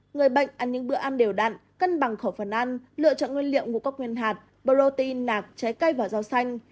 người bệnh ăn những bữa ăn đều đạn cân bằng khẩu phần ăn lựa chọn nguyên liệu ngũ cốc nguyên hạt protein nạp trái cây và rau xanh